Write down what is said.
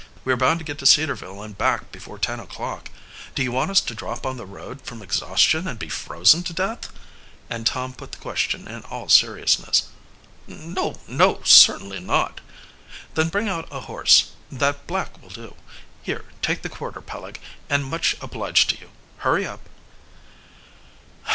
We are bound to get to Cedarville and back before ten o'clock. Do you want us to drop on the road from exhaustion and be frozen to death?" and Tom put the question in all seriousness. "No, no, certainly not!" "Then bring out a horse. That black will do. Here, take the quarter, Peleg, and much obliged to you. Hurry up."